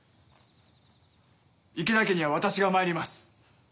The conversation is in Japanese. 池田家には私が参ります。